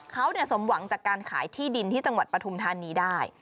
เขาสมหวังจากการขายที่ดินที่จังหวัดปฐุมธานีได้